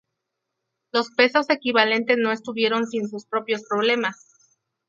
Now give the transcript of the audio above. Los pesos equivalentes no estuvieron sin sus propios problemas.